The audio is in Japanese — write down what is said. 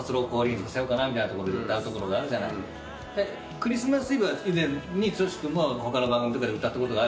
『クリスマス・イブ』は以前に剛君も他の番組で歌ったことがある。